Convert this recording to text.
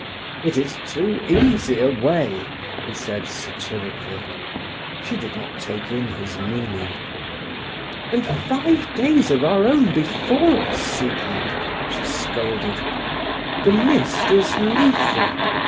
"It is too easy a way," he said satirically. She did not take in his meaning. "And five days of our own before us, Siegmund!" she scolded. "The mist is Lethe.